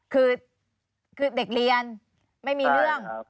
คือเด็กเรียนไม่มีเรื่อง